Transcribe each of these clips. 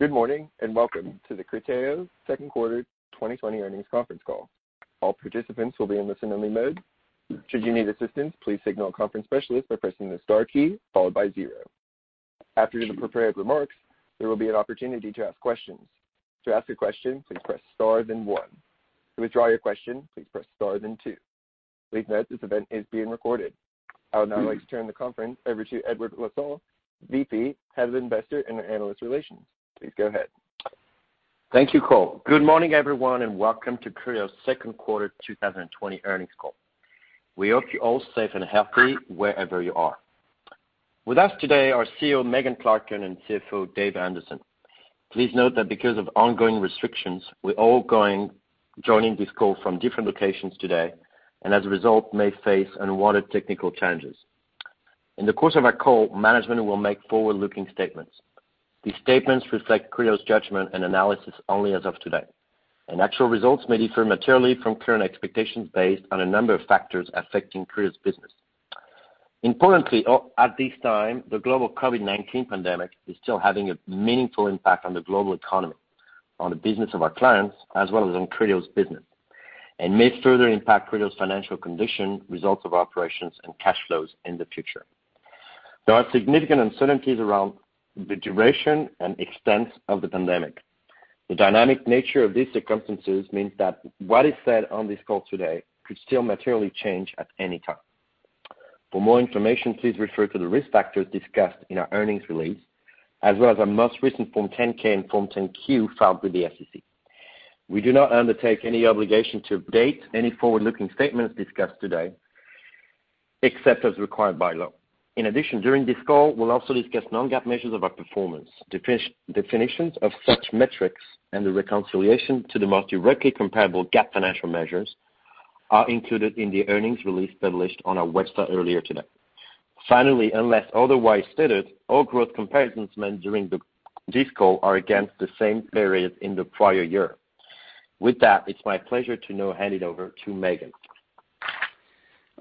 Good morning and welcome to the Criteo Second Quarter 2020 earnings conference call. All participants will be in listen-only mode. Should you need assistance, please signal a conference specialist by pressing the star key followed by zero. After the prepared remarks, there will be an opportunity to ask questions. To ask a question, please press star then one. To withdraw your question, please press star then two. Please note this event is being recorded. I would now like to turn the conference over to Edouard Lassalle, VP, Head of Investor and Analyst Relations. Please go ahead. Thank you, Cole. Good morning, everyone, and welcome to Criteo Second Quarter 2020 earnings call. We hope you're all safe and healthy wherever you are. With us today are CEO, Megan Clarken, and CFO, Dave Anderson. Please note that because of ongoing restrictions, we're all joining this call from different locations today, and as a result, may face unwanted technical challenges. In the course of our call, management will make forward-looking statements. These statements reflect Criteo's judgment and analysis only as of today. Actual results may differ materially from current expectations based on a number of factors affecting Criteo's business. Importantly, at this time, the global COVID-19 pandemic is still having a meaningful impact on the global economy, on the business of our clients, as well as on Criteo's business, and may further impact Criteo's financial condition, results of operations, and cash flows in the future. There are significant uncertainties around the duration and extent of the pandemic. The dynamic nature of these circumstances means that what is said on this call today could still materially change at any time. For more information, please refer to the risk factors discussed in our earnings release, as well as our most recent Form 10-K and Form 10-Q filed with the SEC. We do not undertake any obligation to update any forward-looking statements discussed today, except as required by law. In addition, during this call, we'll also discuss non-GAAP measures of our performance. Definitions of such metrics and the reconciliation to the most directly comparable GAAP financial measures are included in the earnings release published on our website earlier today. Finally, unless otherwise stated, all growth comparisons made during this call are against the same period in the prior year. With that, it's my pleasure to now hand it over to Megan.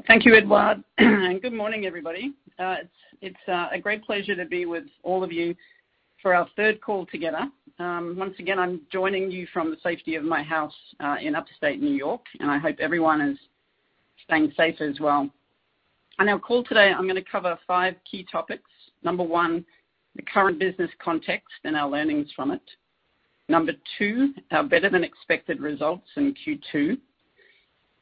Thank you, Edouard. Good morning, everybody. It's a great pleasure to be with all of you for our third call together. Once again, I'm joining you from the safety of my house in Upstate New York, and I hope everyone is staying safe as well. On our call today, I'm going to cover five key topics. Number one, the current business context and our learnings from it. Number two, our better-than-expected results in Q2.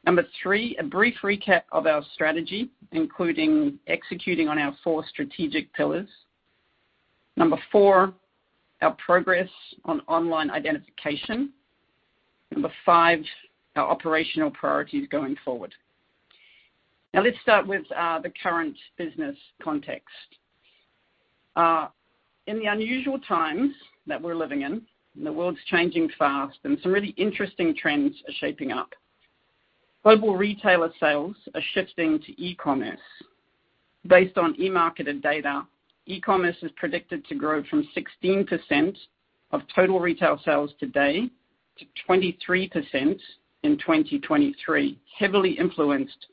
Number three, a brief recap of our strategy, including executing on our four strategic pillars. Number four, our progress on online identification. Number five, our operational priorities going forward. Now, let's start with the current business context. In the unusual times that we're living in, the world's changing fast, and some really interesting trends are shaping up. Global retailer sales are shifting to e-commerce. Based on eMarketer data, e-commerce is predicted to grow from 16% of total retail sales today to 23% in 2023, heavily influenced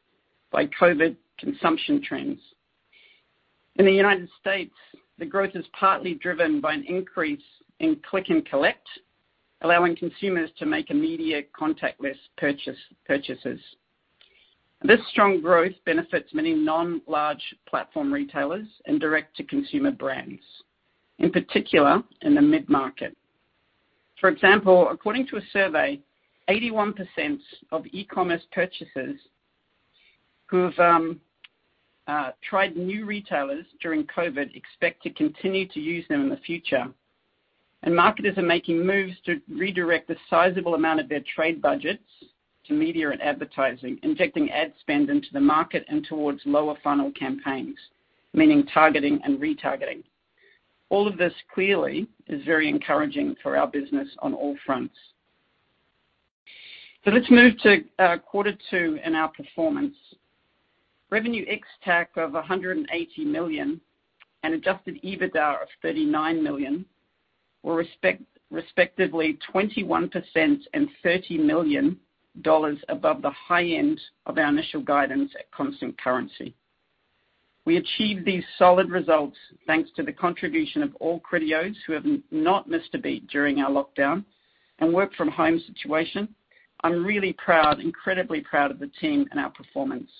by COVID consumption trends. In the U.S., the growth is partly driven by an increase in Click-and-Collect, allowing consumers to make immediate contactless purchases. This strong growth benefits many non-large platform retailers and direct-to-consumer brands, in particular in the mid-market. For example, according to a survey, 81% of e-commerce purchasers who've tried new retailers during COVID expect to continue to use them in the future. Marketers are making moves to redirect a sizable amount of their trade budgets to media and advertising, injecting ad spend into the market and towards lower-funnel campaigns, meaning targeting and retargeting. All of this, clearly, is very encouraging for our business on all fronts. Let's move to quarter two in our performance. Revenue ex-TAC of $180 million and Adjusted EBITDA of $39 million, or respectively 21% and $30 million above the high end of our initial guidance at constant currency. We achieved these solid results thanks to the contribution of all Criteo who have not missed a beat during our lockdown and work-from-home situation. I'm really proud, incredibly proud of the team and our performance.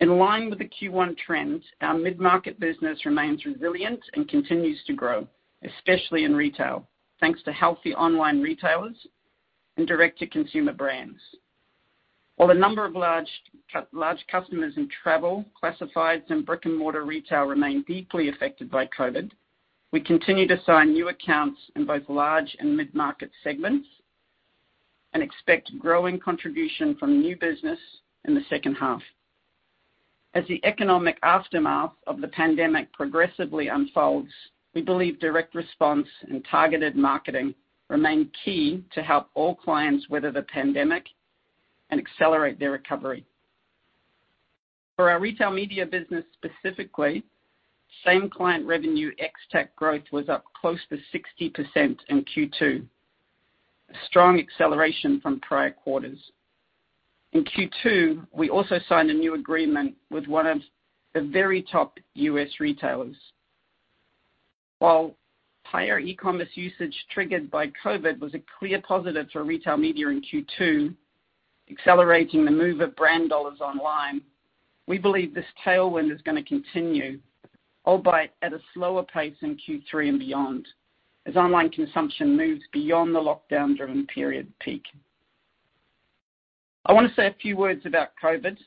In line with the Q1 trend, our mid-market business remains resilient and continues to grow, especially in retail, thanks to healthy online retailers and direct-to-consumer brands. While a number of large customers in travel, classifieds, and brick-and-mortar retail remain deeply affected by COVID, we continue to sign new accounts in both large and mid-market segments and expect growing contribution from new business in the second half. As the economic aftermath of the pandemic progressively unfolds, we believe direct response and targeted marketing remain key to help all clients weather the pandemic and accelerate their recovery. For our retail media business specifically, same-client revenue ex-TAC growth was up close to 60% in Q2, a strong acceleration from prior quarters. In Q2, we also signed a new agreement with one of the very top US retailers. While higher e-commerce usage triggered by COVID was a clear positive for retail media in Q2, accelerating the move of brand dollars online, we believe this tailwind is going to continue, albeit at a slower pace in Q3 and beyond, as online consumption moves beyond the lockdown-driven period peak. I want to say a few words about COVID.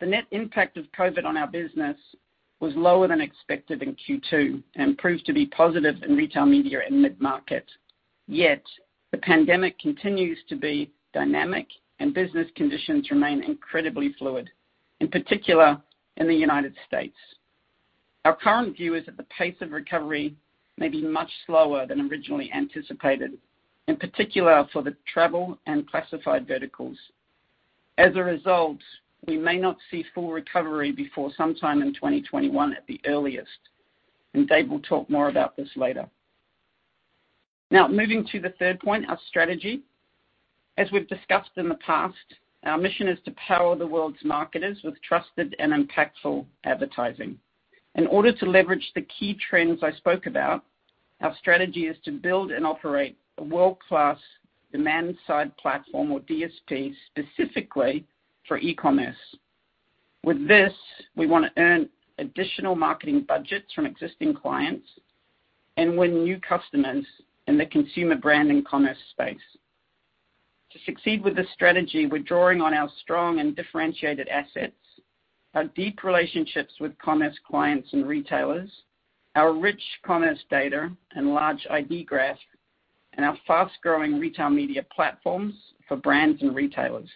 The net impact of COVID on our business was lower than expected in Q2 and proved to be positive in retail media and mid-market. Yet, the pandemic continues to be dynamic, and business conditions remain incredibly fluid, in particular in the U.S. Our current view is that the pace of recovery may be much slower than originally anticipated, in particular for the travel and classified verticals. As a result, we may not see full recovery before sometime in 2021 at the earliest. Dave will talk more about this later. Now, moving to the third point, our strategy. As we've discussed in the past, our mission is to power the world's marketers with trusted and impactful advertising. In order to leverage the key trends I spoke about, our strategy is to build and operate a world-class Demand-Side Platform, or DSP, specifically for e-commerce. With this, we want to earn additional marketing budgets from existing clients and win new customers in the consumer brand and commerce space. To succeed with this strategy, we're drawing on our strong and differentiated assets, our deep relationships with commerce clients and retailers, our rich commerce data and large ID Graph, and our fast-growing retail media platforms for brands and retailers.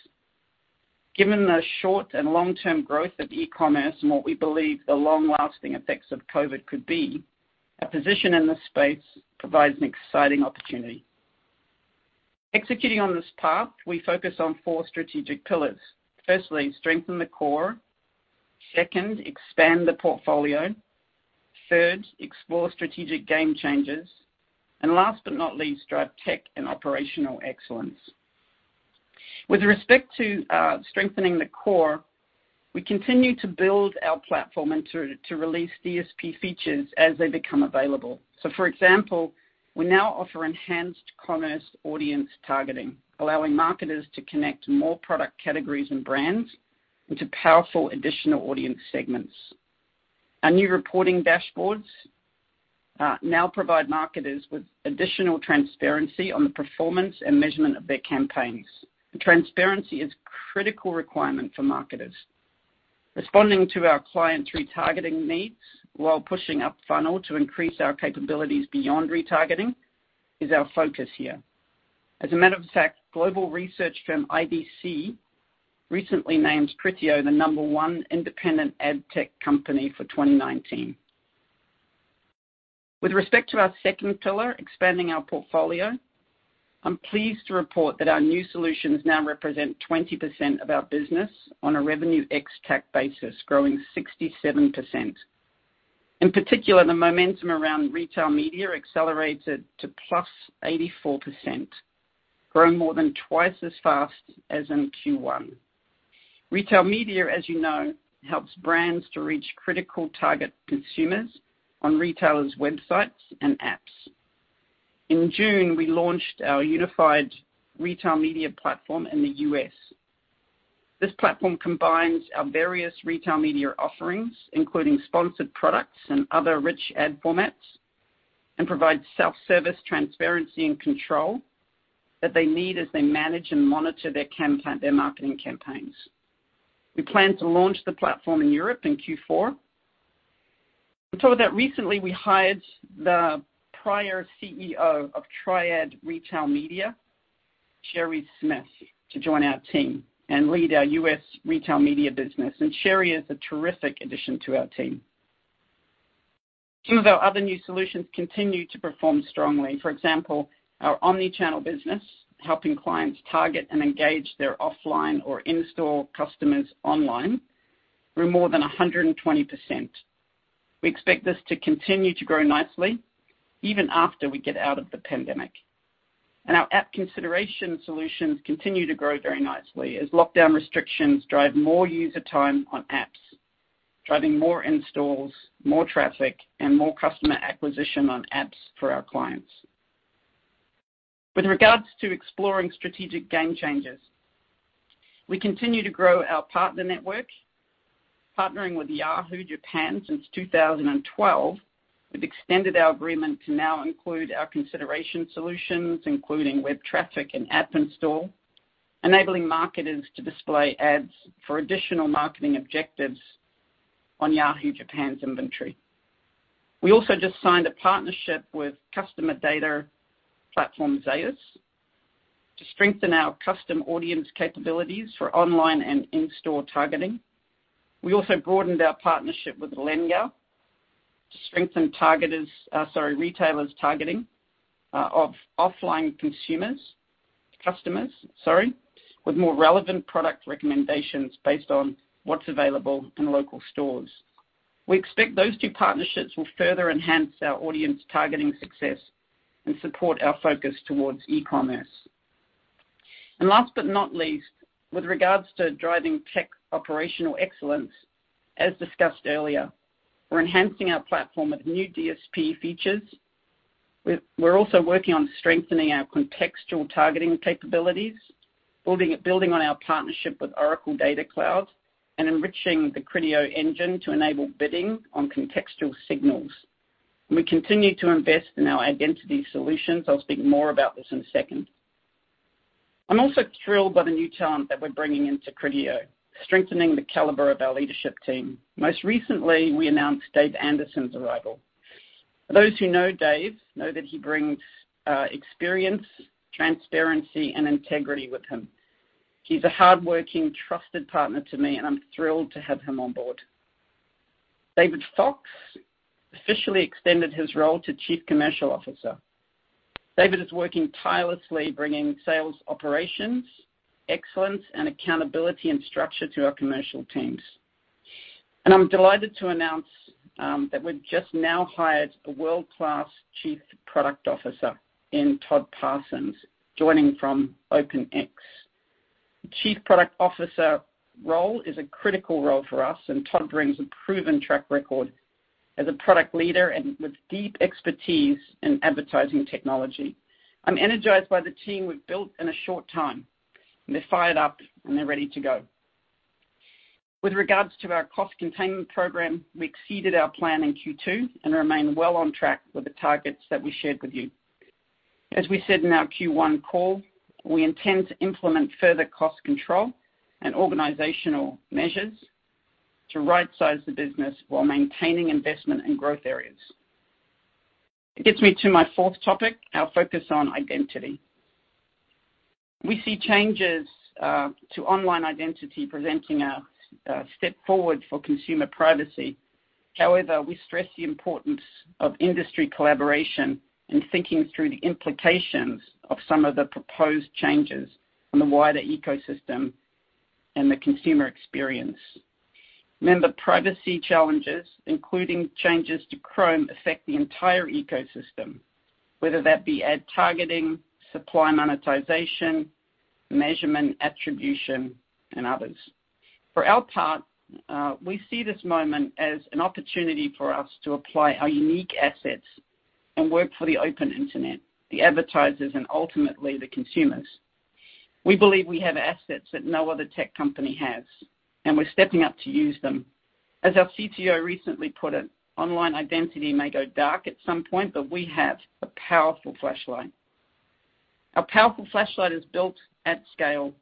Given the short and long-term growth of e-commerce and what we believe the long-lasting effects of COVID could be, our position in this space provides an exciting opportunity. Executing on this path, we focus on four strategic pillars. Firstly, strengthen the core. Second, expand the portfolio. Third, explore strategic game changers. Last but not least, drive tech and operational excellence. With respect to strengthening the core, we continue to build our platform and to release DSP features as they become available. For example, we now offer enhanced commerce audience targeting, allowing marketers to connect more product categories and brands into powerful additional audience segments. Our new reporting dashboards now provide marketers with additional transparency on the performance and measurement of their campaigns. Transparency is a critical requirement for marketers. Responding to our client retargeting needs while pushing up funnel to increase our capabilities beyond retargeting is our focus here. As a matter of fact, global research firm IDC recently named Criteo the number one independent ad tech company for 2019. With respect to our second pillar, expanding our portfolio, I'm pleased to report that our new solutions now represent 20% of our business on a revenue ex-TAC basis, growing 67%. In particular, the momentum around retail media accelerated to +84%, growing more than twice as fast as in Q1. Retail media, as you know, helps brands to reach critical target consumers on retailers' websites and apps. In June, we launched our unified Retail Media Platform in the U.S. This platform combines our various retail media offerings, including sponsored products and other rich ad formats, and provides self-service transparency and control that they need as they manage and monitor their marketing campaigns. We plan to launch the platform in Europe in Q4. To talk about that, recently, we hired the prior CEO of Triad Retail Media, Sherry Smith, to join our team and lead our US Retail Media Business. Sherry is a terrific addition to our team. Some of our other new solutions continue to perform strongly. For example, our Omnichannel Business, helping clients target and engage their offline or in-store customers online, grew more than 120%. We expect this to continue to grow nicely, even after we get out of the pandemic. Our app consideration solutions continue to grow very nicely as lockdown restrictions drive more user time on apps, driving more in-stores, more traffic, and more customer acquisition on apps for our clients. With regards to exploring strategic game changers, we continue to grow our partner network, partnering with Yahoo Japan since 2012. We have extended our agreement to now include our consideration solutions, including web traffic and app in-store, enabling marketers to display ads for additional marketing objectives on Yahoo Japan's inventory. We also just signed a partnership with Customer Data Platform Zaius to strengthen our custom audience capabilities for online and in-store targeting. We also broadened our partnership with Lengow to strengthen retailers' targeting of offline customers with more relevant product recommendations based on what is available in local stores. We expect those two partnerships will further enhance our audience targeting success and support our focus towards e-commerce. Last but not least, with regards to driving tech operational excellence, as discussed earlier, we're enhancing our platform with new DSP features. We're also working on strengthening our contextual targeting capabilities, building on our partnership with Oracle Data Cloud, and enriching the Criteo engine to enable bidding on contextual signals. We continue to invest in our identity solutions. I'll speak more about this in a second. I'm also thrilled by the new talent that we're bringing into Criteo, strengthening the caliber of our leadership team. Most recently, we announced Dave Anderson's arrival. Those who know Dave know that he brings experience, transparency, and integrity with him. He's a hardworking, trusted partner to me, and I'm thrilled to have him on board. David Fox officially extended his role to Chief Commercial Officer. David is working tirelessly, bringing sales, operations, excellence, and accountability and structure to our commercial teams. I'm delighted to announce that we've just now hired a world-class Chief Product Officer in Todd Parsons, joining from OpenX. The Chief Product Officer role is a critical role for us, and Todd brings a proven track record as a product leader and with deep expertise in advertising technology. I'm energized by the team we've built in a short time. They're fired up, and they're ready to go. With regards to our cost containment program, we exceeded our plan in Q2 and remain well on track with the targets that we shared with you. As we said in our Q1 call, we intend to implement further cost control and organizational measures to right-size the business while maintaining investment and growth areas. It gets me to my fourth topic, our focus on identity. We see changes to online identity presenting a step forward for consumer privacy. However, we stress the importance of industry collaboration and thinking through the implications of some of the proposed changes in the wider ecosystem and the consumer experience. Remember, privacy challenges, including changes to Chrome, affect the entire ecosystem, whether that be ad targeting, supply monetization, measurement, attribution, and others. For our part, we see this moment as an opportunity for us to apply our unique assets and work for the open internet, the advertisers, and ultimately the consumers. We believe we have assets that no other tech company has, and we're stepping up to use them. As our CTO recently put it, online identity may go dark at some point, but we have a powerful flashlight. Our powerful flashlight is built at scale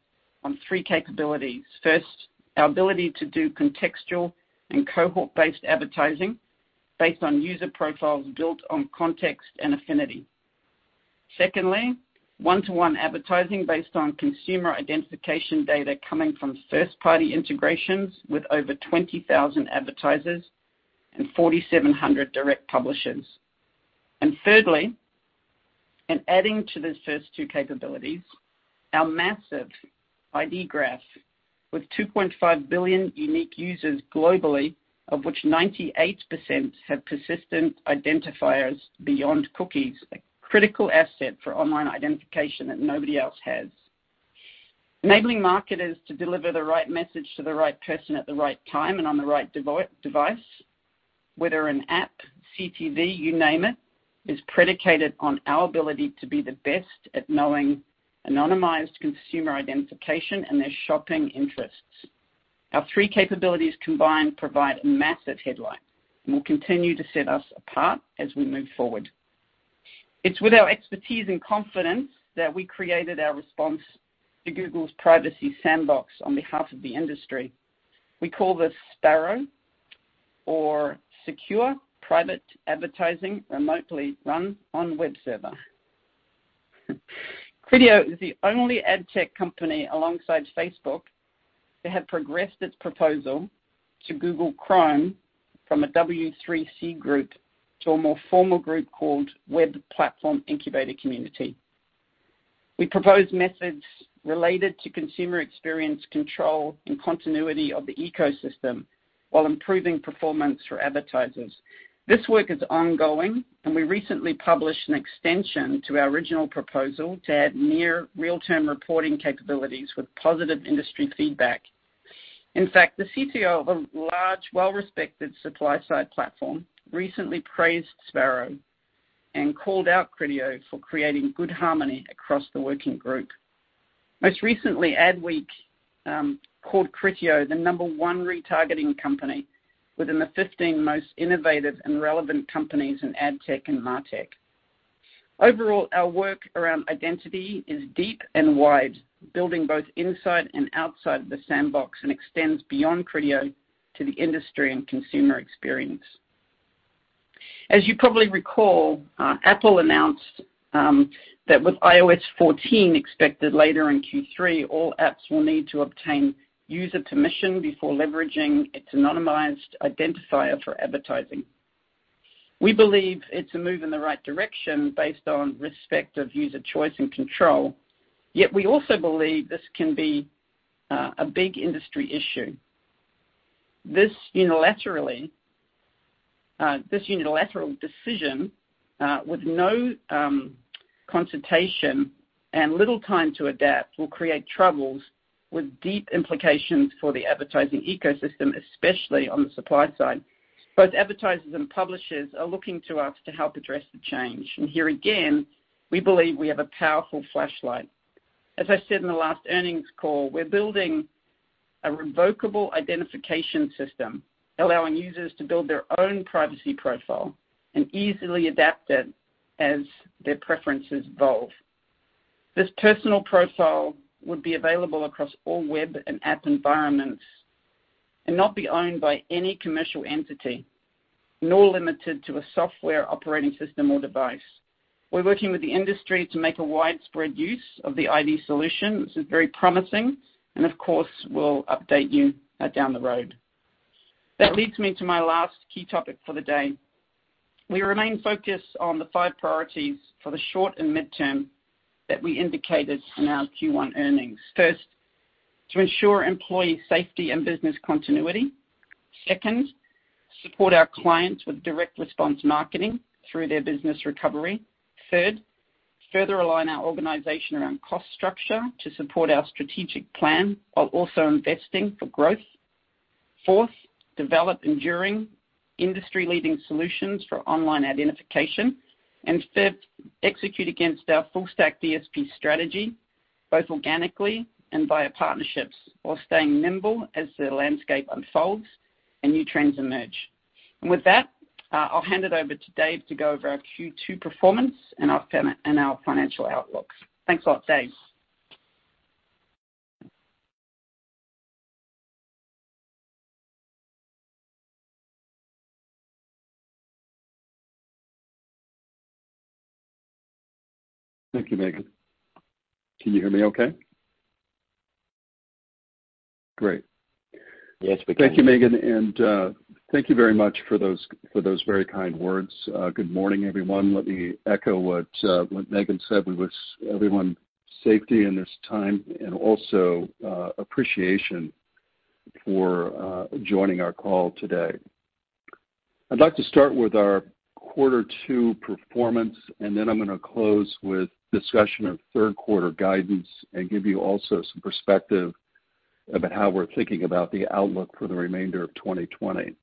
on three capabilities. First, our ability to do contextual and cohort-based advertising based on user profiles built on context and affinity. Secondly, one-to-one advertising based on consumer identification data coming from first-party integrations with over 20,000 advertisers and 4,700 direct publishers. Thirdly, in adding to these first two capabilities, our massive ID Graph with 2.5 billion unique users globally, of which 98% have persistent identifiers beyond cookies, a critical asset for online identification that nobody else has. Enabling marketers to deliver the right message to the right person at the right time and on the right device, whether an app, CTV, you name it, is predicated on our ability to be the best at knowing anonymized consumer identification and their shopping interests. Our three capabilities combined provide a massive headlight and will continue to set us apart as we move forward. It's with our expertise and confidence that we created our response to Google's Privacy Sandbox on behalf of the industry. We call this Sparrow or Secure Private Advertising Remotely Run on Web Server. Criteo is the only ad tech company alongside Facebook to have progressed its proposal to Google Chrome from a W3C group to a more formal group called Web Platform Incubator Community. We propose methods related to consumer experience control and continuity of the ecosystem while improving performance for advertisers. This work is ongoing, and we recently published an extension to our original proposal to add near real-time reporting capabilities with positive industry feedback. In fact, the CTO of a large, well-respected supply-side platform recently praised Sparrow and called out Criteo for creating good harmony across the working group. Most recently, AdWeek called Criteo the number one retargeting company within the 15 most innovative and relevant companies in ad tech and martech. Overall, our work around identity is deep and wide, building both inside and outside of the sandbox and extends beyond Criteo to the industry and consumer experience. As you probably recall, Apple announced that with iOS 14 expected later in Q3, all apps will need to obtain user permission before leveraging its anonymized identifier for advertising. We believe it's a move in the right direction based on respect of user choice and control, yet we also believe this can be a big industry issue. This unilateral decision, with no consultation and little time to adapt, will create troubles with deep implications for the advertising ecosystem, especially on the supply side. Both advertisers and publishers are looking to us to help address the change. Here again, we believe we have a powerful flashlight. As I said in the last earnings call, we're building a revocable identification system allowing users to build their own privacy profile and easily adapt it as their preferences evolve. This personal profile would be available across all web and app environments and not be owned by any commercial entity, nor limited to a software operating system or device. We're working with the industry to make a widespread use of the ID solution. This is very promising, and of course, we'll update you down the road. That leads me to my last key topic for the day. We remain focused on the five priorities for the short and midterm that we indicated in our Q1 earnings. First, to ensure employee safety and business continuity. Second, support our clients with direct response marketing through their business recovery. Third, further align our organization around cost structure to support our strategic plan while also investing for growth. Fourth, develop enduring industry-leading solutions for online identification. Fifth, execute against our full-stack DSP strategy, both organically and via partnerships, while staying nimble as the landscape unfolds and new trends emerge. With that, I'll hand it over to Dave to go over our Q2 performance and our financial outlook. Thanks a lot, Dave. Thank you, Megan. Can you hear me okay? Great. Yes, we can. Thank you, Megan. Thank you very much for those very kind words. Good morning, everyone. Let me echo what Megan said. We wish everyone safety in this time and also appreciation for joining our call today. I'd like to start with our quarter two performance, and then I'm going to close with discussion of third-quarter guidance and give you also some perspective about how we're thinking about the outlook for the remainder of 2020.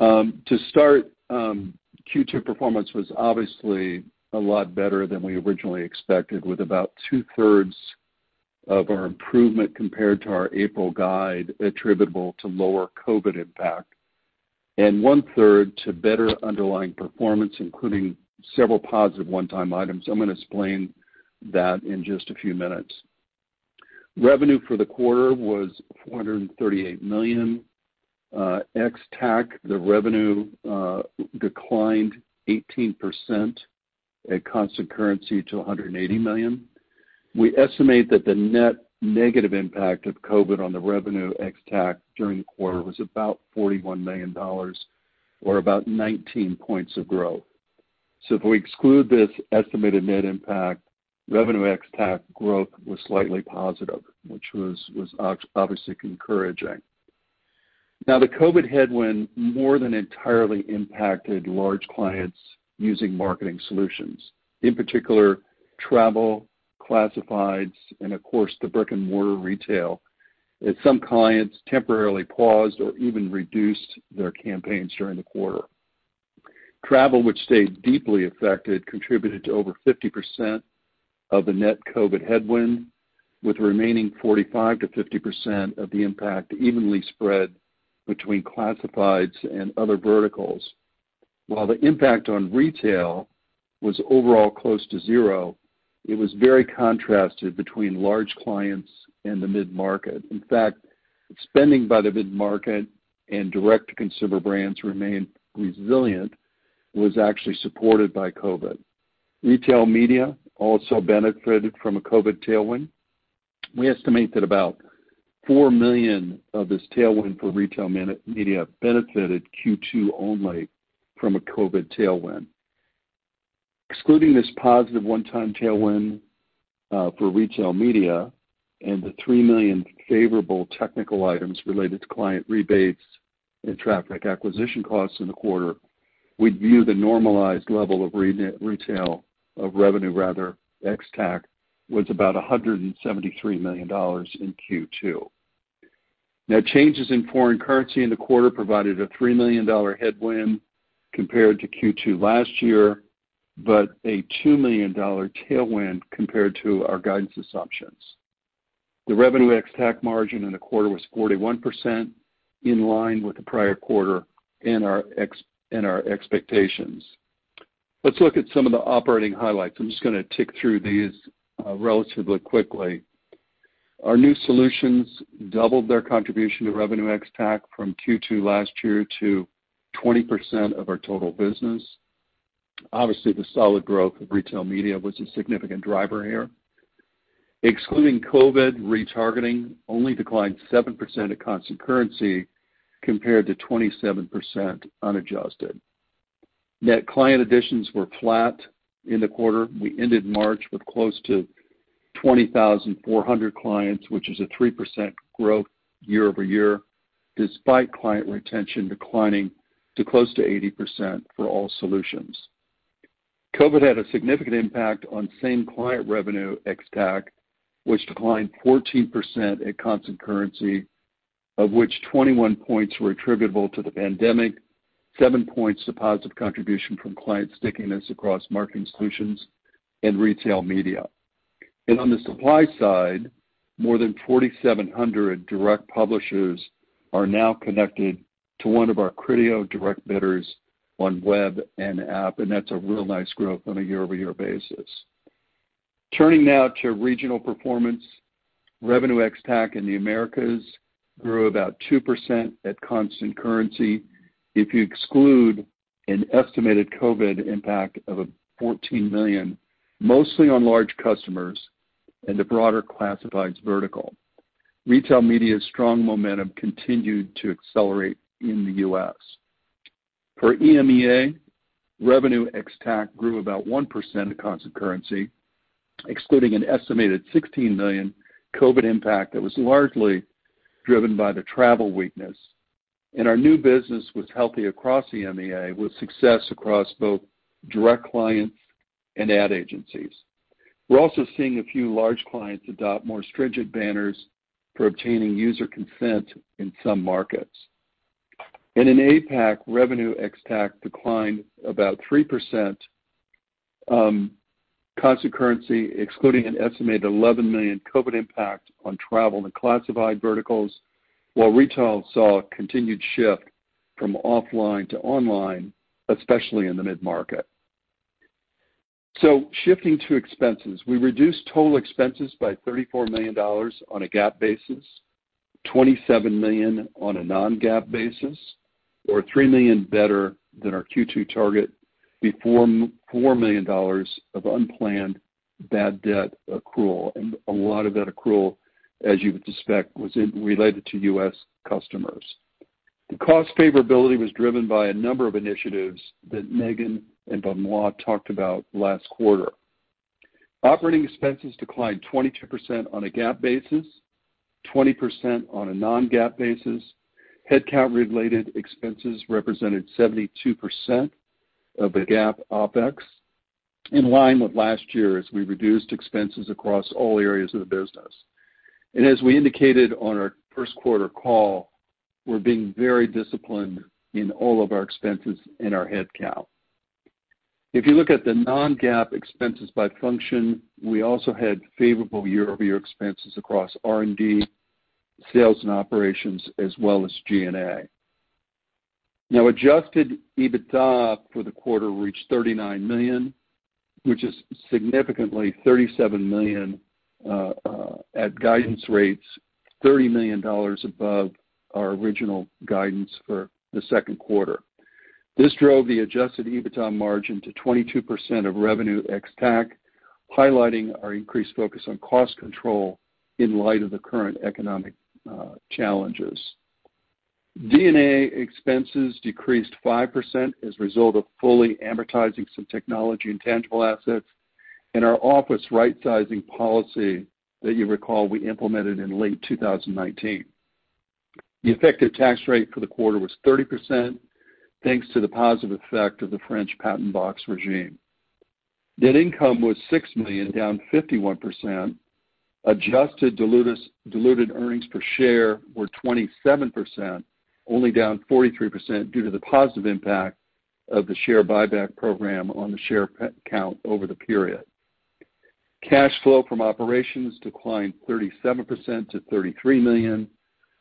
To start, Q2 performance was obviously a lot better than we originally expected, with about 2/3 of our improvement compared to our April guide attributable to lower COVID impact and 1/3 to better underlying performance, including several positive one-time items. I'm going to explain that in just a few minutes. Revenue for the quarter was $438 million. Ex-TAC, the revenue declined 18% at constant currency to $180 million. We estimate that the net negative impact of COVID on the revenue ex-tax during the quarter was about $41 million or about 19 points of growth. If we exclude this estimated net impact, revenue ex-tax growth was slightly positive, which was obviously encouraging. The COVID headwind more than entirely impacted large clients using marketing solutions, in particular, travel, classifieds, and of course, the brick-and-mortar retail, as some clients temporarily paused or even reduced their campaigns during the quarter. Travel, which stayed deeply affected, contributed to over 50% of the net COVID headwind, with the remaining 45%-50% of the impact evenly spread between classifieds and other verticals. While the impact on retail was overall close to zero, it was very contrasted between large clients and the mid-market. In fact, spending by the mid-market and direct-to-consumer brands remained resilient, was actually supported by COVID. Retail media also benefited from a COVID tailwind. We estimate that about $4 million of this tailwind for retail media benefited Q2 only from a COVID tailwind. Excluding this +1x tailwind for retail media and the $3 million favorable technical items related to client rebates and traffic acquisition costs in the quarter, we'd view the normalized level of retail revenue, rather ex-tax, was about $173 million in Q2. Now, changes in foreign currency in the quarter provided a $3 million headwind compared to Q2 last year, but a $2 million tailwind compared to our guidance assumptions. The revenue ex-tax margin in the quarter was 41%, in line with the prior quarter and our expectations. Let's look at some of the operating highlights. I'm just going to tick through these relatively quickly. Our new solutions doubled their contribution to revenue ex-tax from Q2 last year to 20% of our total business. Obviously, the solid growth of retail media was a significant driver here. Excluding COVID, retargeting only declined 7% at constant currency compared to 27% unadjusted. Net client additions were flat in the quarter. We ended March with close to 20,400 clients, which is a 3% growth year-over-year, despite client retention declining to close to 80% for all solutions. COVID had a significant impact on same-client revenue ex-tax, which declined 14% at constant currency, of which 21 percentage points were attributable to the pandemic, 7 percentage points to positive contribution from client stickiness across marketing solutions and retail media. On the supply side, more than 4,700 direct publishers are now connected to one of our Criteo direct bidders on web and app, and that's a real nice growth on a year-over-year basis. Turning now to regional performance, revenue ex-tax in the Americas grew about 2% at constant currency if you exclude an estimated COVID impact of $14 million, mostly on large customers and the broader classifieds vertical. Retail media's strong momentum continued to accelerate in the U.S. For EMEA, revenue ex-tax grew about 1% at constant currency, excluding an estimated $16 million COVID impact that was largely driven by the travel weakness. Our new business was healthy across EMEA with success across both direct clients and ad agencies. We're also seeing a few large clients adopt more stringent banners for obtaining user consent in some markets. In APAC, revenue ex-tax declined about 3% constant currency, excluding an estimated $11 million COVID impact on travel and classified verticals, while retail saw a continued shift from offline to online, especially in the mid-market. Shifting to expenses, we reduced total expenses by $34 million on a GAAP basis, $27 million on a non-GAAP basis, or $3 million better than our Q2 target before $4 million of unplanned bad debt accrual. A lot of that accrual, as you would suspect, was related to US customers. The cost favorability was driven by a number of initiatives that Megan and Benoit talked about last quarter. Operating expenses declined 22% on a GAAP basis, 20% on a non-GAAP basis. Headcount-related expenses represented 72% of the GAAP OpEx, in line with last year as we reduced expenses across all areas of the business. As we indicated on our first quarter call, we are being very disciplined in all of our expenses and our headcount. If you look at the non-GAAP expenses by function, we also had favorable year-over-year expenses across R&D, sales, and operations, as well as G&A. Now, Adjusted EBITDA for the quarter reached $39 million, which is significantly $37 million at guidance rates, $30 million above our original guidance for the second quarter. This drove the Adjusted EBITDA margin to 22% of revenue ex-tax, highlighting our increased focus on cost control in light of the current economic challenges. G&A expenses decreased 5% as a result of fully amortizing some technology and tangible assets and our office rightsizing policy that you recall we implemented in late 2019. The effective tax rate for the quarter was 30%, thanks to the positive effect of the French patent box regime. Net income was $6 million, down 51%. Adjusted diluted earnings per share were 27%, only down 43% due to the positive impact of the share buyback program on the share count over the period. Cash flow from operations declined 37% to $33 million,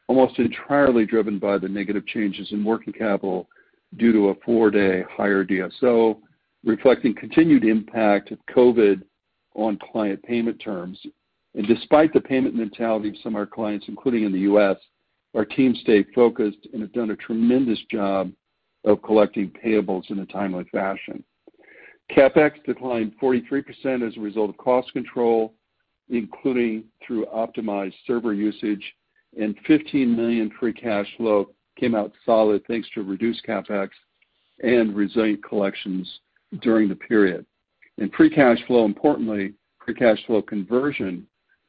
almost entirely driven by the negative changes in working capital due to a four-day higher DSO, reflecting continued impact of COVID on client payment terms. Despite the payment mentality of some of our clients, including in the U.S., our team stayed focused and have done a tremendous job of collecting payables in a timely fashion. CapEx declined 43% as a result of cost control, including through optimized server usage, and $15 million Free Cash Flow came out solid, thanks to reduced CapEx and resilient collections during the period. Free Cash Flow, importantly, Free Cash Flow conversion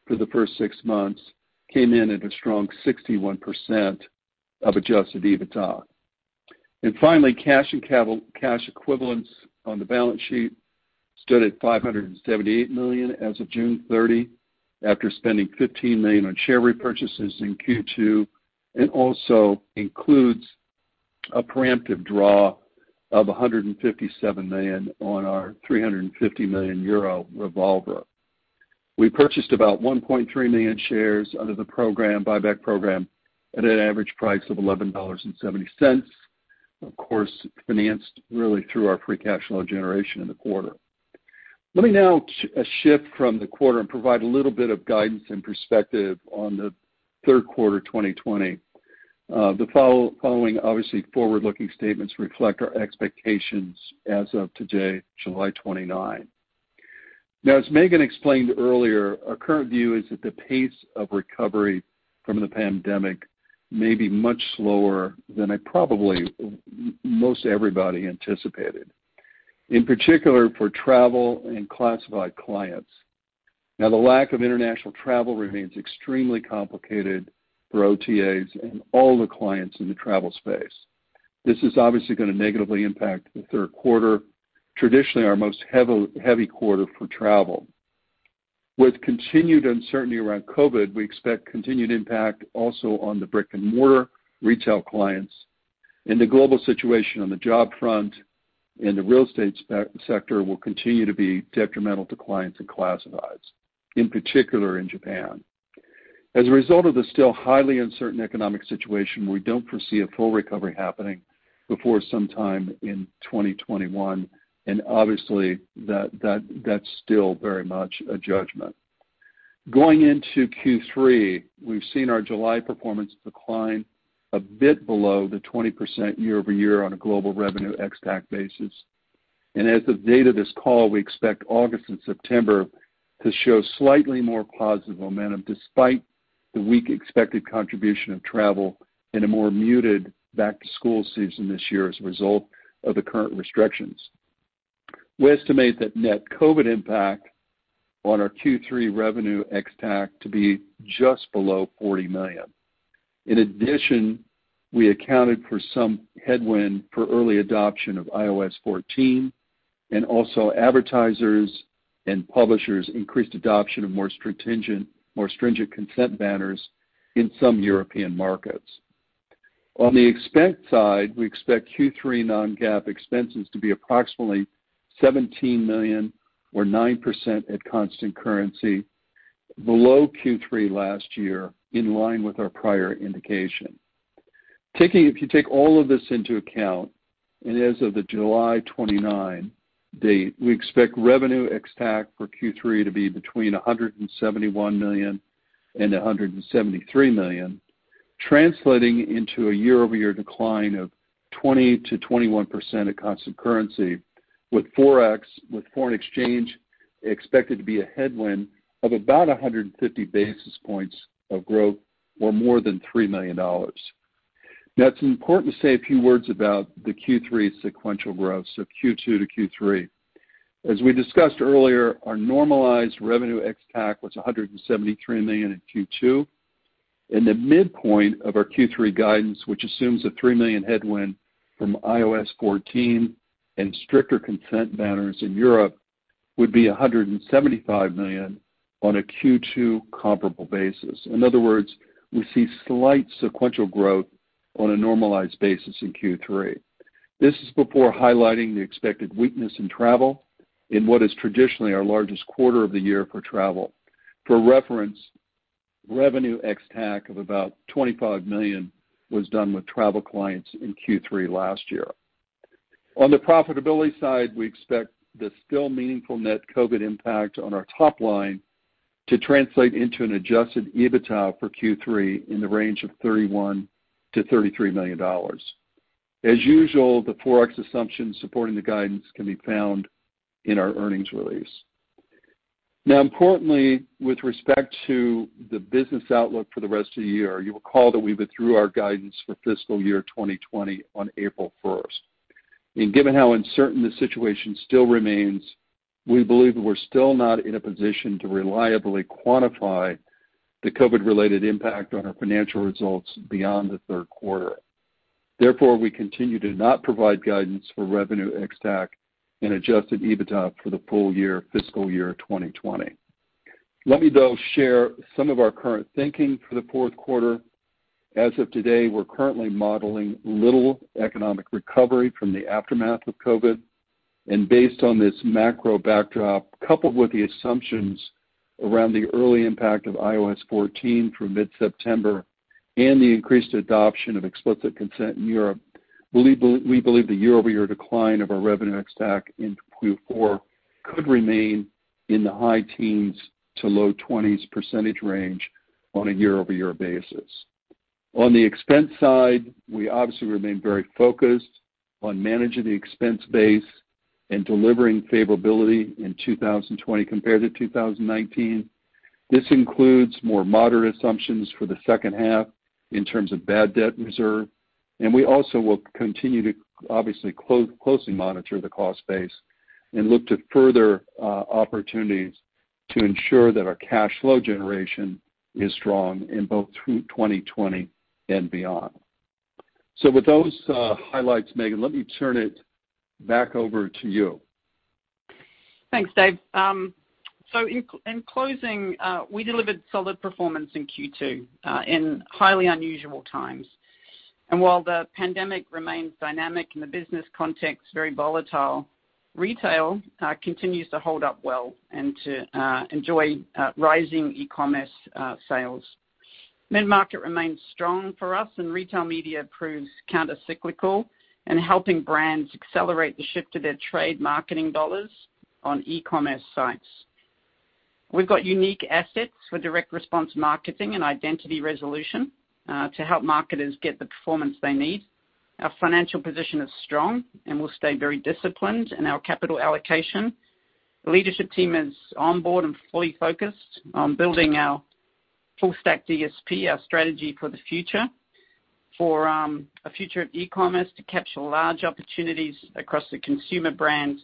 for the first six months came in at a strong 61% of Adjusted EBITDA. Finally, cash and cash equivalents on the balance sheet stood at $578 million as of June 30, after spending $15 million on share repurchases in Q2, and also includes a preemptive draw of 157 million on our 350 million euro revolver. We purchased about 1.3 million shares under the buyback program at an average price of $11.70, of course, financed really through our free cash flow generation in the quarter. Let me now shift from the quarter and provide a little bit of guidance and perspective on the third quarter 2020. The following, obviously, forward-looking statements reflect our expectations as of today, July 29. Now, as Megan explained earlier, our current view is that the pace of recovery from the pandemic may be much slower than most everybody anticipated, in particular for travel and classified clients. The lack of international travel remains extremely complicated for OTAs and all the clients in the travel space. This is obviously going to negatively impact the third quarter, traditionally our most heavy quarter for travel. With continued uncertainty around COVID, we expect continued impact also on the brick-and-mortar retail clients. The global situation on the job front and the real estate sector will continue to be detrimental to clients and classifieds, in particular in Japan. As a result of the still highly uncertain economic situation, we do not foresee a full recovery happening before sometime in 2021. Obviously, that is still very much a judgment. Going into Q3, we've seen our July performance decline a bit below the 20% year-over-year on a global revenue ex-tax basis. As of the date of this call, we expect August and September to show slightly more positive momentum despite the weak expected contribution of travel and a more muted back-to-school season this year as a result of the current restrictions. We estimate that net COVID impact on our Q3 revenue ex-tax to be just below $40 million. In addition, we accounted for some headwind for early adoption of iOS 14, and also advertisers and publishers' increased adoption of more stringent consent banners in some European markets. On the expense side, we expect Q3 non-GAAP expenses to be approximately $17 million or 9% at constant currency, below Q3 last year, in line with our prior indication. If you take all of this into account, and as of the July 29 date, we expect revenue ex-tax for Q3 to be between $171 million and $173 million, translating into a year-over-year decline of 20%-21% at constant currency, with foreign exchange expected to be a headwind of about 150 basis points of growth or more than $3 million. Now, it's important to say a few words about the Q3 sequential growth, so Q2-Q3. As we discussed earlier, our normalized revenue ex-tax was $173 million in Q2. And the midpoint of our Q3 guidance, which assumes a $3 million headwind from iOS 14 and stricter consent banners in Europe, would be $175 million on a Q2 comparable basis. In other words, we see slight sequential growth on a normalized basis in Q3. This is before highlighting the expected weakness in travel in what is traditionally our largest quarter of the year for travel. For reference, revenue ex-tax of about $25 million was done with travel clients in Q3 last year. On the profitability side, we expect the still meaningful net COVID impact on our top line to translate into an Adjusted EBITDA for Q3 in the range of $31 million-$33 million. As usual, the Forex assumptions supporting the guidance can be found in our earnings release. Now, importantly, with respect to the business outlook for the rest of the year, you recall that we withdrew our guidance for fiscal year 2020 on April 1. Given how uncertain the situation still remains, we believe we're still not in a position to reliably quantify the COVID-related impact on our financial results beyond the third quarter. Therefore, we continue to not provide guidance for revenue ex-tax and Adjusted EBITDA for the full year, fiscal year 2020. Let me, though, share some of our current thinking for the fourth quarter. As of today, we're currently modeling little economic recovery from the aftermath of COVID. Based on this macro backdrop, coupled with the assumptions around the early impact of iOS 14 through mid-September and the increased adoption of explicit consent in Europe, we believe the year-over-year decline of our revenue ex-tax in Q4 could remain in the high teens to low 20% range on a year-over-year basis. On the expense side, we obviously remain very focused on managing the expense base and delivering favorability in 2020 compared to 2019. This includes more moderate assumptions for the second half in terms of bad debt reserve. We also will continue to, obviously, closely monitor the cost base and look to further opportunities to ensure that our cash flow generation is strong in both 2020 and beyond. With those highlights, Megan, let me turn it back over to you. Thanks, Dave. In closing, we delivered solid performance in Q2 in highly unusual times. While the pandemic remains dynamic and the business context very volatile, retail continues to hold up well and to enjoy rising e-commerce sales. Mid-market remains strong for us, and retail media proves countercyclical in helping brands accelerate the shift to their trade marketing dollars on e-commerce sites. We've got unique assets for direct response marketing and identity resolution to help marketers get the performance they need. Our financial position is strong and we will stay very disciplined in our capital allocation. The leadership team is onboard and fully focused on building our full-stack DSP, our strategy for the future, for a future of e-commerce to capture large opportunities across the consumer brand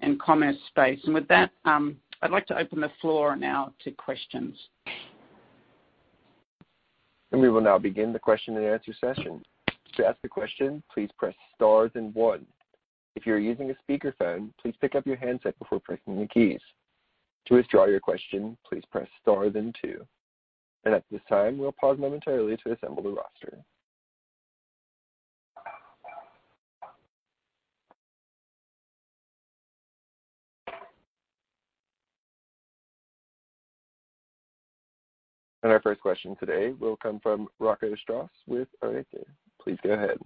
and commerce space. I would like to open the floor now to questions. We will now begin the question-and-answer session. To ask a question, please press star and one. If you're using a speakerphone, please pick up your handset before pressing the keys. To withdraw your question, please press star and two. At this time, we'll pause momentarily to assemble the roster. Our first question today will come from Rocco Strauss with Arete. Please go ahead.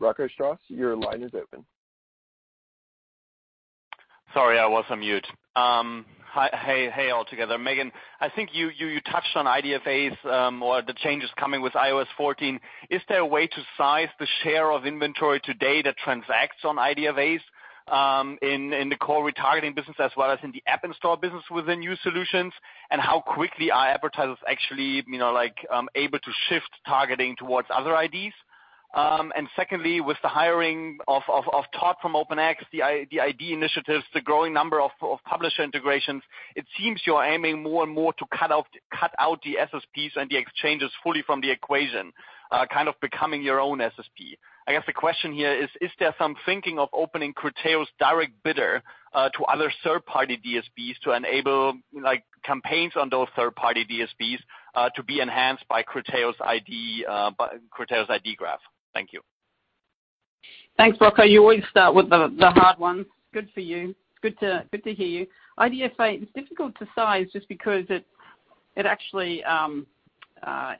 Rocco Strauss, your line is open. Sorry, I was on mute. Hey, hey all together. Megan, I think you touched on IDFAs or the changes coming with iOS 14. Is there a way to size the share of inventory today that transacts on IDFAs in the core retargeting business as well as in the app and store business within new solutions? How quickly are advertisers actually able to shift targeting towards other IDs? Secondly, with the hiring of Todd from OpenX, the ID initiatives, the growing number of publisher integrations, it seems you're aiming more and more to cut out the SSPs and the exchanges fully from the equation, kind of becoming your own SSP. I guess the question here is, is there some thinking of opening Criteo's direct bidder to other third-party DSPs to enable campaigns on those third-party DSPs to be enhanced by Criteo's ID graph? Thank you. Thanks, Rocco. You always start with the hard ones. Good for you. Good to hear you. IDFA is difficult to size just because it actually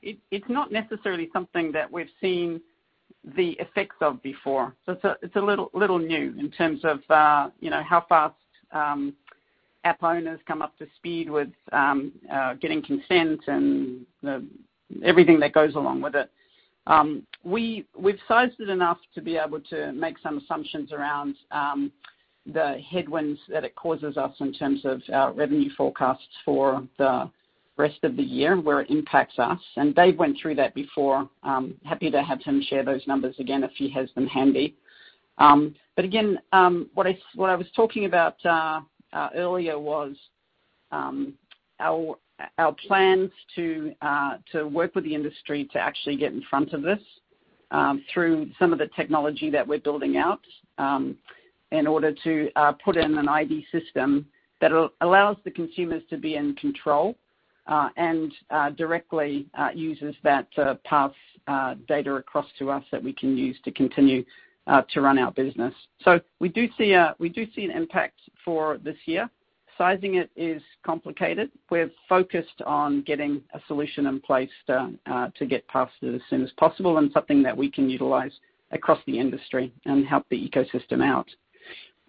is not necessarily something that we've seen the effects of before. It is a little new in terms of how fast app owners come up to speed with getting consent and everything that goes along with it. We've sized it enough to be able to make some assumptions around the headwinds that it causes us in terms of our revenue forecasts for the rest of the year, where it impacts us. Dave went through that before. Happy to have him share those numbers again if he has them handy. What I was talking about earlier was our plans to work with the industry to actually get in front of this through some of the technology that we're building out in order to put in an ID system that allows the consumers to be in control and directly uses that to pass data across to us that we can use to continue to run our business. We do see an impact for this year. Sizing it is complicated. We're focused on getting a solution in place to get past it as soon as possible and something that we can utilize across the industry and help the ecosystem out.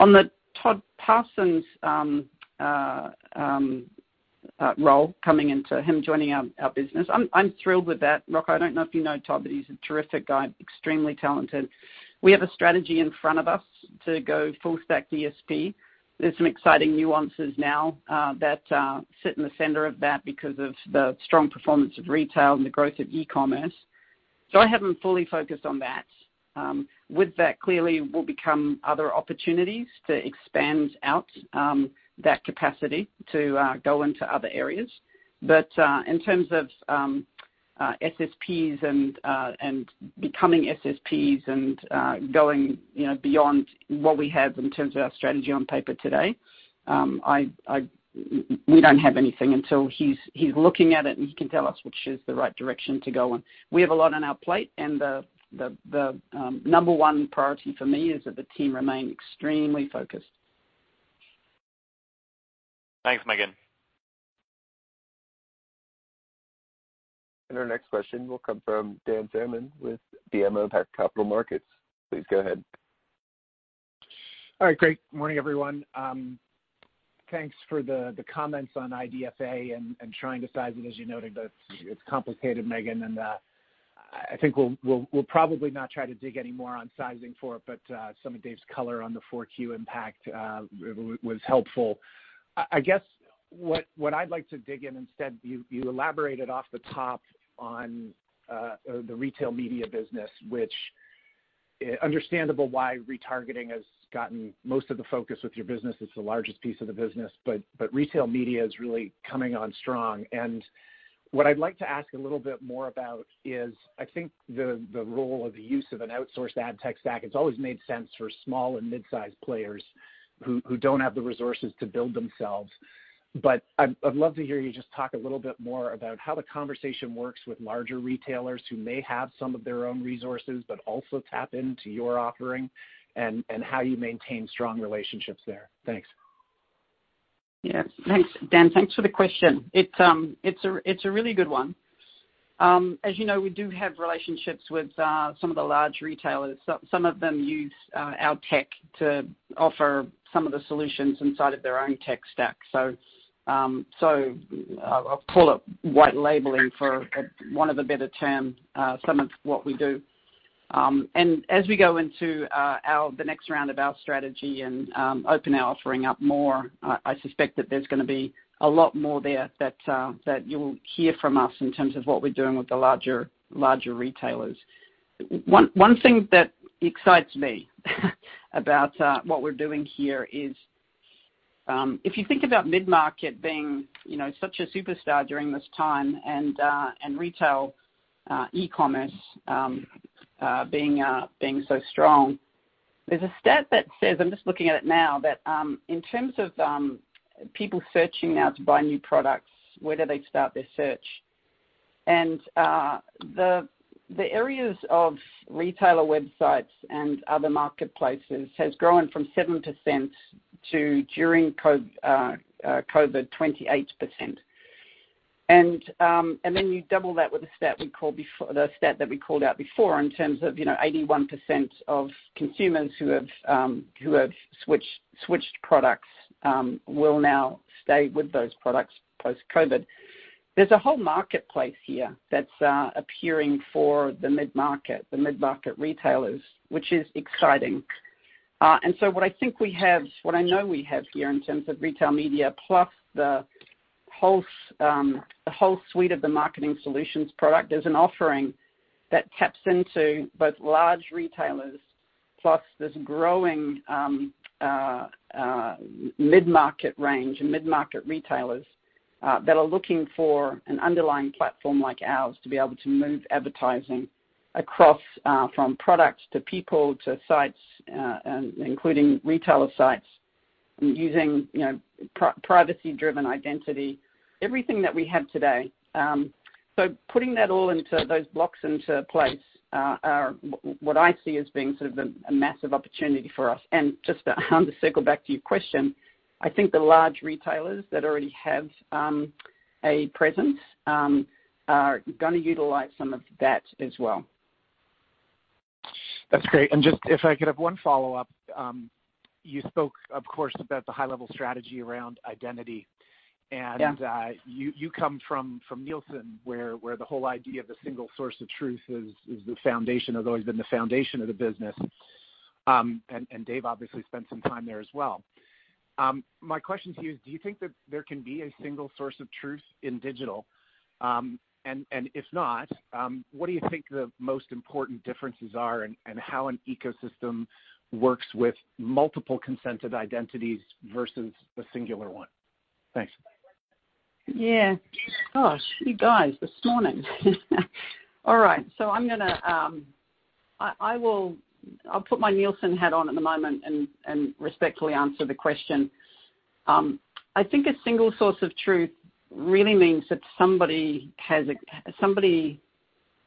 On the Todd Parsons role coming into him joining our business, I'm thrilled with that. Rocco, I don't know if you know Todd, but he's a terrific guy, extremely talented. We have a strategy in front of us to go full-stack DSP. There are some exciting nuances now that sit in the center of that because of the strong performance of retail and the growth of e-commerce. I have not fully focused on that. With that, clearly, will come other opportunities to expand out that capacity to go into other areas. In terms of SSPs and becoming SSPs and going beyond what we have in terms of our strategy on paper today, we do not have anything until he is looking at it and he can tell us which is the right direction to go in. We have a lot on our plate, and the number one priority for me is that the team remain extremely focused. Thanks, Megan. Our next question will come from Dan Salmon with BMO Capital Markets. Please go ahead. All right. Great. Good morning, everyone. Thanks for the comments on IDFA and trying to size it, as you noted, but it's complicated, Megan. I think we'll probably not try to dig any more on sizing for it, but some of Dave's color on the 4Q impact was helpful. I guess what I'd like to dig in instead, you elaborated off the top on the retail media business, which is understandable why retargeting has gotten most of the focus with your business. It's the largest piece of the business, but retail media is really coming on strong. What I'd like to ask a little bit more about is, I think, the role of the use of an outsourced ad tech stack. It's always made sense for small and mid-sized players who don't have the resources to build themselves. I would love to hear you just talk a little bit more about how the conversation works with larger retailers who may have some of their own resources but also tap into your offering and how you maintain strong relationships there. Thanks. Yes. Thanks, Dan. Thanks for the question. It's a really good one. As you know, we do have relationships with some of the large retailers. Some of them use our tech to offer some of the solutions inside of their own tech stack. I'll call it white labeling, for want of a better term, some of what we do. As we go into the next round of our strategy and open our offering up more, I suspect that there's going to be a lot more there that you'll hear from us in terms of what we're doing with the larger retailers. One thing that excites me about what we're doing here is if you think about mid-market being such a superstar during this time and retail e-commerce being so strong, there's a stat that says, I'm just looking at it now, that in terms of people searching now to buy new products, where do they start their search? The areas of retailer websites and other marketplaces have grown from 7% to, during COVID, 28%. You double that with the stat we called out before in terms of 81% of consumers who have switched products will now stay with those products post-COVID. There's a whole marketplace here that's appearing for the mid-market, the mid-market retailers, which is exciting. What I think we have—what I know we have here in terms of retail media plus the whole suite of the marketing solutions product—is an offering that taps into both large retailers plus this growing mid-market range and mid-market retailers that are looking for an underlying platform like ours to be able to move advertising across from products to people to sites, including retailer sites, using privacy-driven identity, everything that we have today. Putting that all into those blocks into place are what I see as being sort of a massive opportunity for us. Just to circle back to your question, I think the large retailers that already have a presence are going to utilize some of that as well. That's great. If I could have one follow-up, you spoke, of course, about the high-level strategy around identity. Yeah. You come from Nielsen, where the whole idea of the single source of truth is the foundation—has always been the foundation of the business. Dave obviously spent some time there as well. My question to you is, do you think that there can be a single source of truth in digital? If not, what do you think the most important differences are and how an ecosystem works with multiple consented identities versus a singular one? Thanks. Yeah. Gosh, you guys this morning. All right. I am going to put my Nielsen hat on at the moment and respectfully answer the question. I think a single source of truth really means that somebody has a—there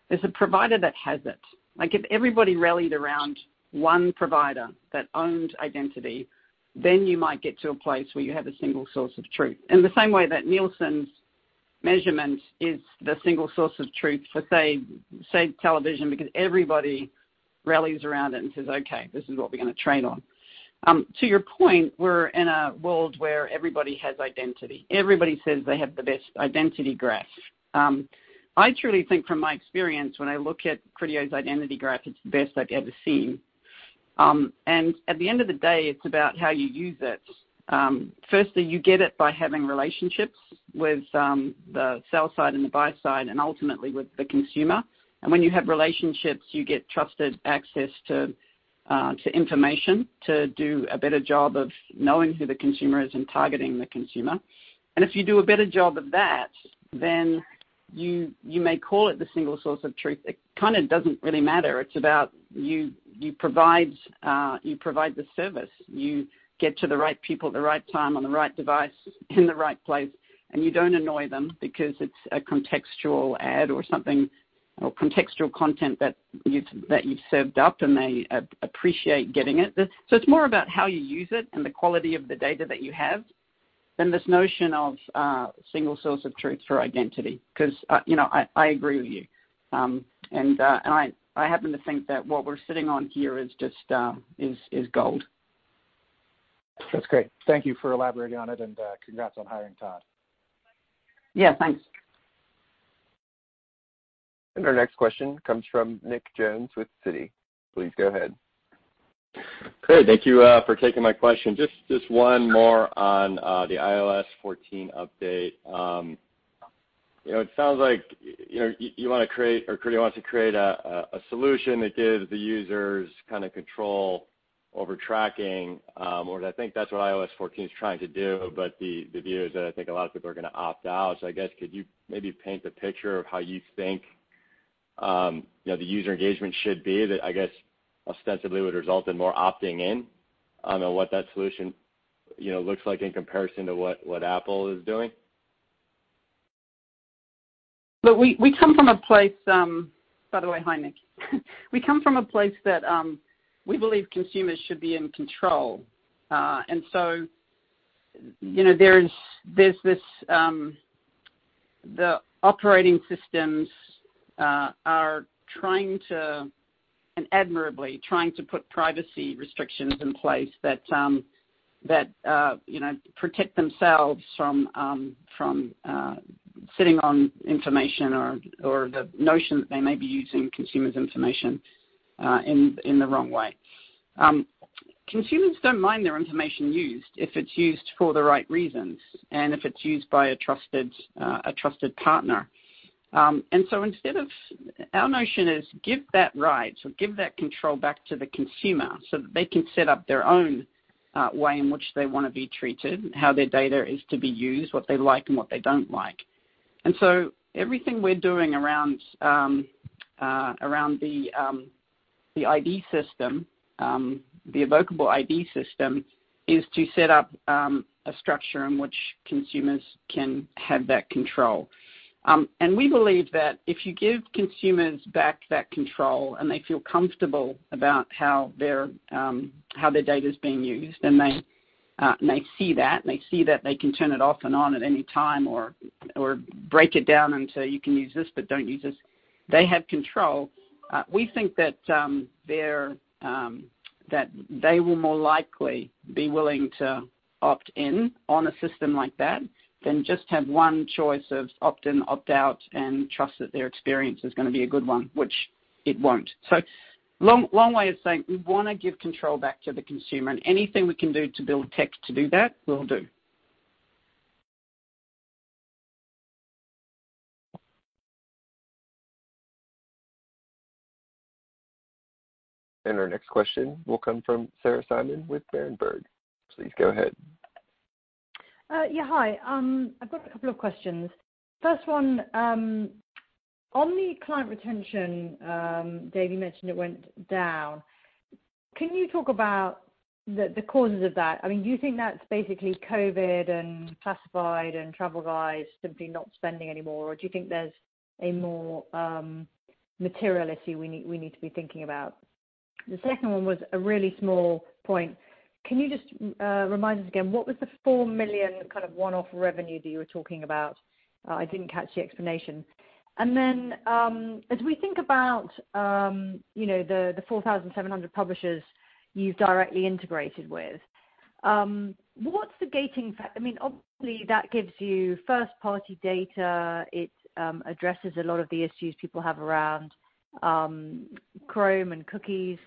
is a provider that has it. If everybody rallied around one provider that owned identity, then you might get to a place where you have a single source of truth. In the same way that Nielsen's measurement is the single source of truth for, say, television, because everybody rallies around it and says, "Okay, this is what we are going to train on." To your point, we are in a world where everybody has identity. Everybody says they have the best identity graph. I truly think, from my experience, when I look at Criteo's identity graph, it is the best I have ever seen. At the end of the day, it is about how you use it. Firstly, you get it by having relationships with the sell side and the buy side and ultimately with the consumer. When you have relationships, you get trusted access to information to do a better job of knowing who the consumer is and targeting the consumer. If you do a better job of that, then you may call it the single source of truth. It kind of doesn't really matter. It's about you provide the service. You get to the right people at the right time on the right device in the right place. You don't annoy them because it's a contextual ad or something or contextual content that you've served up and they appreciate getting it. It is more about how you use it and the quality of the data that you have than this notion of single source of truth for identity. Because I agree with you. I happen to think that what we're sitting on here is just gold. That's great. Thank you for elaborating on it and congrats on hiring Todd. Yeah, thanks. Our next question comes from Nick Jones with Citi. Please go ahead. Great. Thank you for taking my question. Just one more on the iOS 14 update. It sounds like you want to create or Criteo wants to create a solution that gives the users kind of control over tracking, or I think that's what iOS 14 is trying to do. The view is that I think a lot of people are going to opt out. I guess, could you maybe paint the picture of how you think the user engagement should be that, I guess, ostensibly would result in more opting in on what that solution looks like in comparison to what Apple is doing? Look, we come from a place—by the way, hi, Nick. We come from a place that we believe consumers should be in control. There is this—the operating systems are trying to, and admirably, trying to put privacy restrictions in place that protect themselves from sitting on information or the notion that they may be using consumers' information in the wrong way. Consumers do not mind their information used if it is used for the right reasons and if it is used by a trusted partner. Instead, our notion is give that right or give that control back to the consumer so that they can set up their own way in which they want to be treated, how their data is to be used, what they like and what they do not like. Everything we're doing around the ID system, the evocable ID system, is to set up a structure in which consumers can have that control. We believe that if you give consumers back that control and they feel comfortable about how their data is being used and they see that, and they see that they can turn it off and on at any time or break it down into you can use this but do not use this, they have control, we think that they will more likely be willing to opt in on a system like that than just have one choice of opt in, opt out, and trust that their experience is going to be a good one, which it will not. Long way of saying we want to give control back to the consumer. Anything we can do to build tech to do that, we'll do. Our next question will come from Sarah Simon with Berenberg. Please go ahead. Yeah, hi. I've got a couple of questions. First one, on the client retention, Dave, you mentioned it went down. Can you talk about the causes of that? I mean, do you think that's basically COVID and classified and travel guys simply not spending anymore, or do you think there's a more material issue we need to be thinking about? The second one was a really small point. Can you just remind us again what was the $4 million kind of one-off revenue that you were talking about? I didn't catch the explanation. As we think about the 4,700 publishers you've directly integrated with, what's the gating factor? I mean, obviously, that gives you first-party data. It addresses a lot of the issues people have around Chrome and cookies.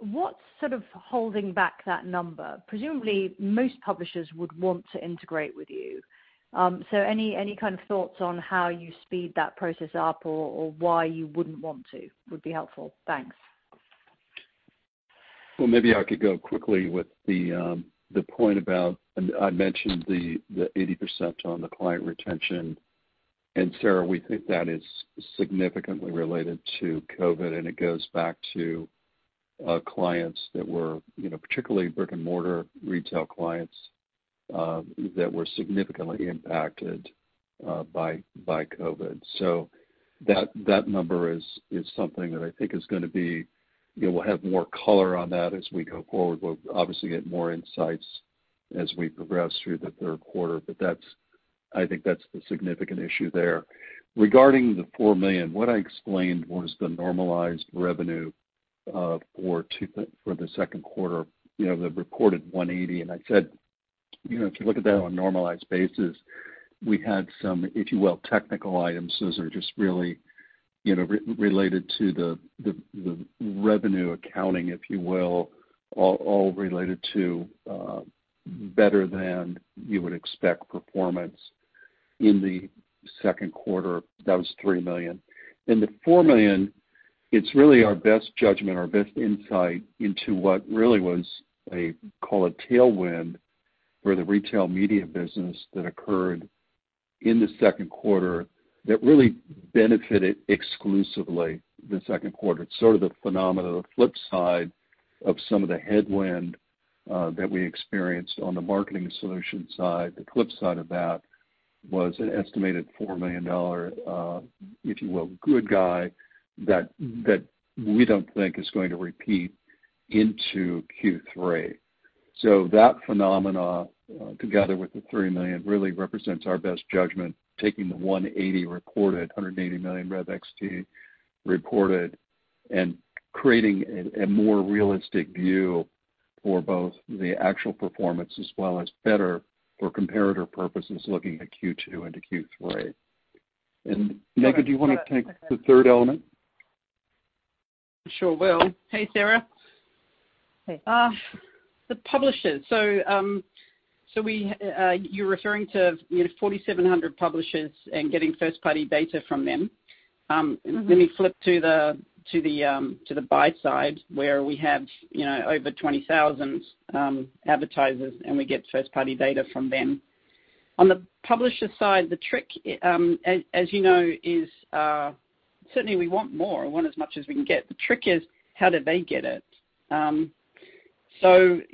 What's sort of holding back that number? Presumably, most publishers would want to integrate with you. Any kind of thoughts on how you speed that process up or why you wouldn't want to would be helpful. Thanks. Maybe I could go quickly with the point about I mentioned the 80% on the client retention. Sarah, we think that is significantly related to COVID. It goes back to clients that were particularly brick-and-mortar retail clients that were significantly impacted by COVID. That number is something that I think is going to be we'll have more color on that as we go forward. We'll obviously get more insights as we progress through the third quarter. I think that's the significant issue there. Regarding the $4 million, what I explained was the normalized revenue for the second quarter, the reported $180 million. If you look at that on a normalized basis, we had some, if you will, technical items that are just really related to the revenue accounting, if you will, all related to better than you would expect performance in the second quarter. That was $3 million. The $4 million, it's really our best judgment, our best insight into what really was a, call it, tailwind for the retail media business that occurred in the second quarter that really benefited exclusively the second quarter. It's sort of the phenomenon, the flip side of some of the headwind that we experienced on the marketing solution side. The flip side of that was an estimated $4 million, if you will, good guy that we don't think is going to repeat into Q3. That phenomena, together with the $3 million, really represents our best judgment, taking the 180 reported, $180 million rev XT reported, and creating a more realistic view for both the actual performance as well as better for comparator purposes looking at Q2 into Q3. Megan, do you want to take the third element? Sure will. Hey, Sarah. Hey. The publishers. You're referring to 4,700 publishers and getting first-party data from them. Let me flip to the buy side where we have over 20,000 advertisers and we get first-party data from them. On the publisher side, the trick, as you know, is certainly we want more. We want as much as we can get. The trick is how do they get it? The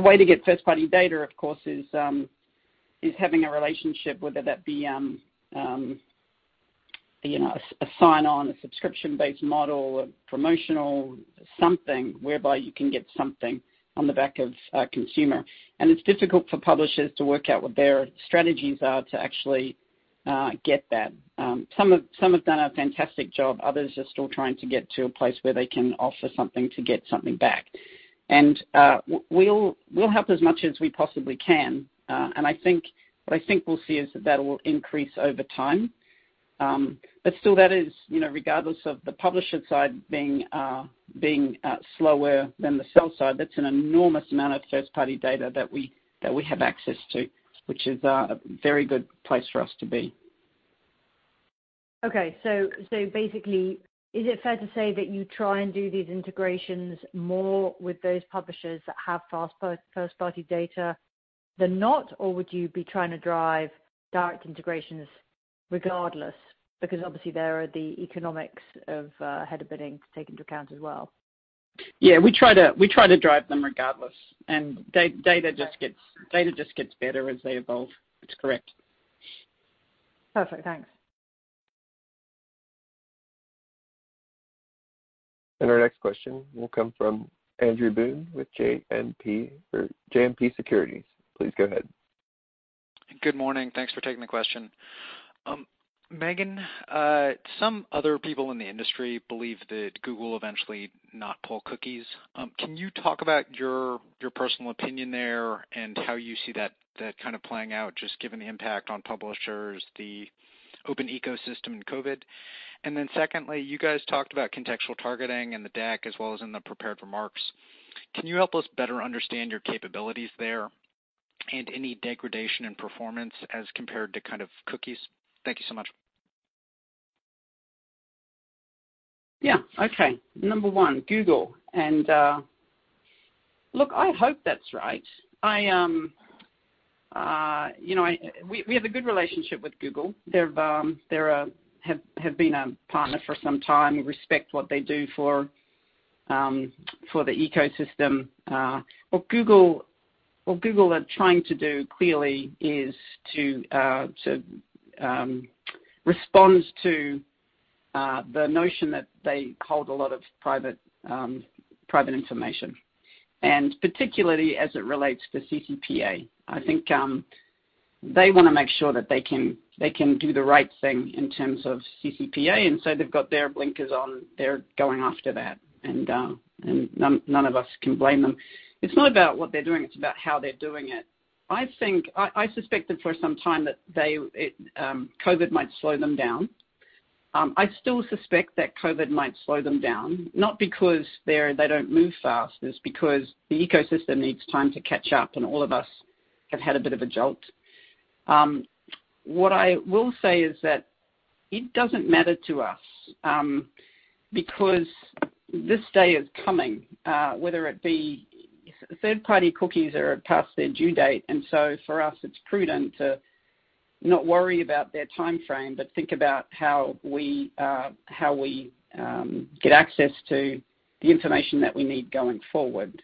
way to get first-party data, of course, is having a relationship, whether that be a sign-on, a subscription-based model, a promotional something whereby you can get something on the back of a consumer. It's difficult for publishers to work out what their strategies are to actually get that. Some have done a fantastic job. Others are still trying to get to a place where they can offer something to get something back. We'll help as much as we possibly can. What I think we'll see is that that will increase over time. Still, that is, regardless of the publisher side being slower than the sell side, an enormous amount of first-party data that we have access to, which is a very good place for us to be. Okay. So basically, is it fair to say that you try and do these integrations more with those publishers that have fast first-party data than not, or would you be trying to drive direct integrations regardless? Because obviously, there are the economics of head-of-bidding to take into account as well. Yeah, we try to drive them regardless. Data just gets better as they evolve. It's correct. Perfect. Thanks. Our next question will come from Andrew Boone with JMP Securities. Please go ahead. Good morning. Thanks for taking the question. Megan, some other people in the industry believe that Google will eventually not pull cookies. Can you talk about your personal opinion there and how you see that kind of playing out, just given the impact on publishers, the open ecosystem in COVID? Secondly, you guys talked about contextual targeting in the deck as well as in the prepared remarks. Can you help us better understand your capabilities there and any degradation in performance as compared to kind of cookies? Thank you so much. Yeah. Okay. Number one, Google. Look, I hope that's right. We have a good relationship with Google. They have been a partner for some time. We respect what they do for the ecosystem. What Google are trying to do clearly is to respond to the notion that they hold a lot of private information, and particularly as it relates to CCPA. I think they want to make sure that they can do the right thing in terms of CCPA. They have got their blinkers on. They're going after that. None of us can blame them. It's not about what they're doing. It's about how they're doing it. I suspected for some time that COVID might slow them down. I still suspect that COVID might slow them down, not because they don't move fast. It's because the ecosystem needs time to catch up, and all of us have had a bit of a jolt. What I will say is that it doesn't matter to us because this day is coming, whether it be third-party cookies are past their due date. For us, it's prudent to not worry about their time frame, but think about how we get access to the information that we need going forward.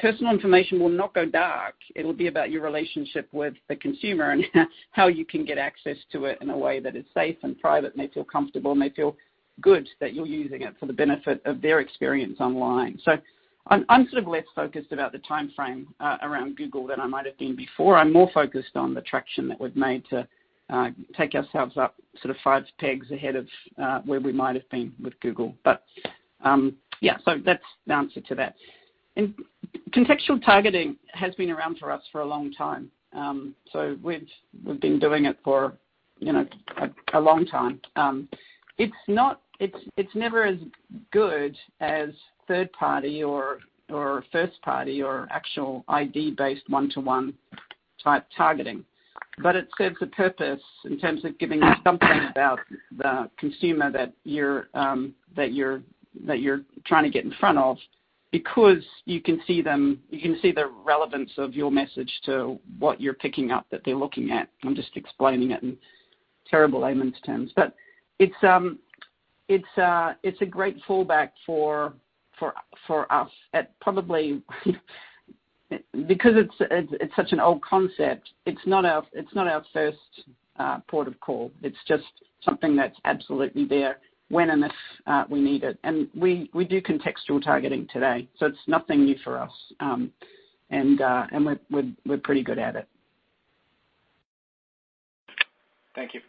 Personal information will not go dark. It'll be about your relationship with the consumer and how you can get access to it in a way that is safe and private, and they feel comfortable, and they feel good that you're using it for the benefit of their experience online. I'm sort of less focused about the time frame around Google than I might have been before. I'm more focused on the traction that we've made to take ourselves up sort of five pegs ahead of where we might have been with Google. Yeah, that's the answer to that. Contextual targeting has been around for us for a long time. We've been doing it for a long time. It's never as good as third-party or first-party or actual ID-based one-to-one type targeting. It serves a purpose in terms of giving something about the consumer that you're trying to get in front of because you can see them, you can see the relevance of your message to what you're picking up that they're looking at. I'm just explaining it in terrible layman's terms. It's a great fallback for us, probably because it's such an old concept, it's not our first port of call. It's just something that's absolutely there when and if we need it. We do contextual targeting today. It's nothing new for us. We're pretty good at it. Thank you.